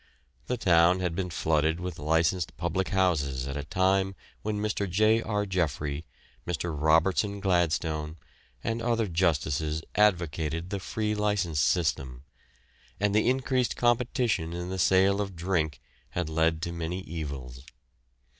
The town had been flooded with licensed public houses at a time when Mr. J. R. Jeffery, Mr. Robertson Gladstone, and other justices advocated the free license system, and the increased competition in the sale of drink had led to many evils.